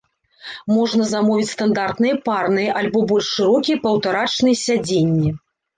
Можна замовіць стандартныя парныя, альбо больш шырокія паўтарачныя сядзенні.